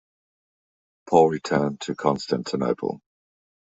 Paul returned to Constantinople.